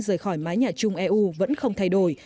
rời khỏi mái nhà chung eu vẫn không thay đổi